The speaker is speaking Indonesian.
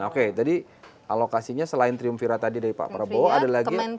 oke tadi alokasinya selain triumfira tadi dari pak prabowo ada lagi